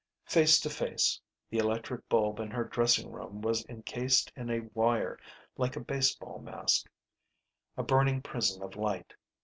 Face to face. The electric bulb in her dressing room was incased in a wire like a baseball mask. A burning prison of light.